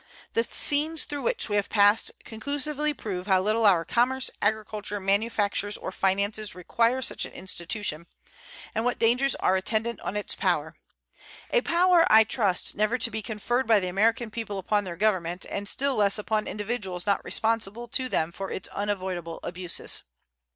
The scenes through which we have passed conclusively prove how little our commerce, agriculture, manufactures, or finances require such an institution, and what dangers are attendant on its power a power, I trust, never to be conferred by the American people upon their Government, and still less upon individuals not responsible to them for its unavoidable abuses.